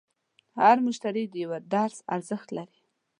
هر مشتری د یوه درس ارزښت لري.